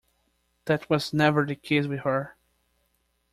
That was never the case with her.